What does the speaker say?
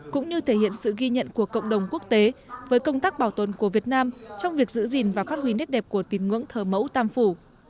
cũng như thể hiện sự ghi nhận của cộng đồng quốc tế với công tác bảo tồn của việt nam trong việc giữ gìn và phát huy nét đẹp của tín ngưỡng thờ mẫu tam phủ